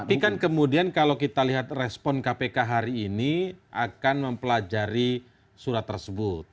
tapi kan kemudian kalau kita lihat respon kpk hari ini akan mempelajari surat tersebut